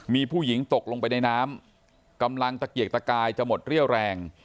มีผู้หญิงตกลงไปในน้ำกำลังตะเกียกตะกายจะหมดเรี่ยวแรง